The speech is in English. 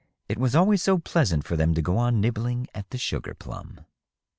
It was always so pleasant for them to go on nibbling at the sugar plum.